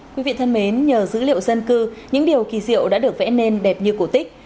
quý vị thân mến nhờ dữ liệu dân cư những điều kỳ diệu đã được vẽ nên đẹp như cổ tích